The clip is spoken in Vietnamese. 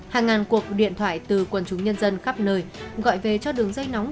hàng ngàn cuộc điện thoại từ quần chúng nhân dân khắp nơi gọi về cho đường dây nóng